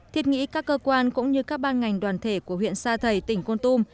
thiệt nghĩ các cơ quan cũng như các ban ngành đoàn thể của huyện sa thầy tỉnh côn tum